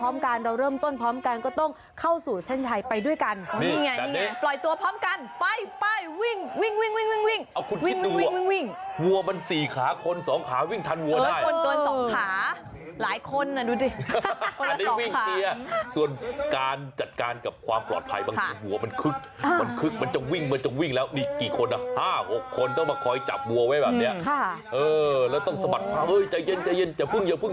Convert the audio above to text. มันลักษณะคล้ายวิ่งตามวัวเป็นการควบคุมวัวให้วิ่งเข้าเส้นชัย